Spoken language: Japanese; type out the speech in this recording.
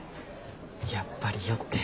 やっぱり酔ってる。